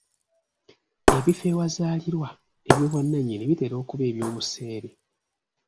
Ebifo ewazaalirwa eby'obwannannyini bitera okuba eby'obuseere.